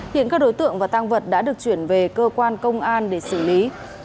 hiện các đối tượng và tăng vật đã được chuyển về cơ quan công an để xử lý